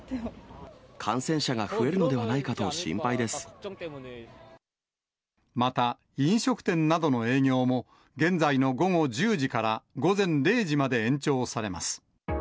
感染者が増えるのではないかまた、飲食店などの営業も現在の午後１０時から午前０時まで延長されます。